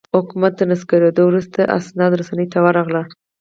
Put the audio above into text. حکومت تر نسکورېدو وروسته اسناد رسنیو ته ورغلل.